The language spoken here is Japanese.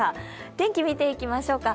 天気見ていきましょうか。